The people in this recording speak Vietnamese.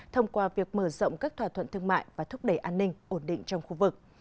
thông qua việc mở rộng các thỏa thuận thương mại và thúc đẩy an ninh ổn định trong khu vực